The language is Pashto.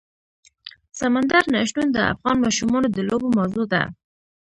سمندر نه شتون د افغان ماشومانو د لوبو موضوع ده.